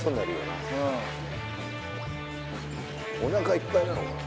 なおなかいっぱいなのかな？